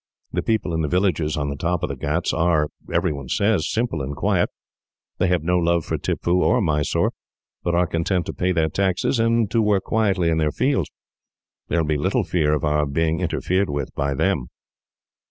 The people in the villages on the top of the ghauts are, every one says, simple and quiet. They have no love for Tippoo or Mysore, but are content to pay their taxes, and to work quietly in their fields. There will be little fear of our being interfered with by them."